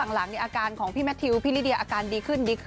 ว่าพักหลังในอาการของพี่แมททิวพี่ริเดียอาการดีขึ้น